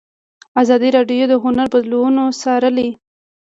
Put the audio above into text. ازادي راډیو د هنر بدلونونه څارلي.